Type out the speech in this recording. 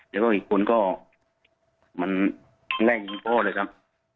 แล้วก็อีกคนก็มันไล่ยิงพ่อเลยครับ